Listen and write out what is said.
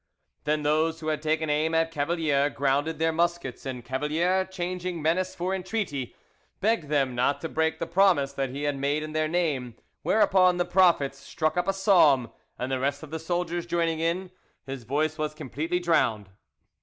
Then those who had taken aim at Cavalier grounded their muskets, and Cavalier changing menace for entreaty, begged them not to break the promise that he had made in their name; whereupon the prophets struck up a psalm, and the rest of the soldiers joining in, his voice was completely drowned.